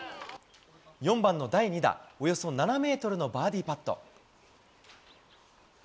４番の第２打、およそ７メートルのバーディーパット。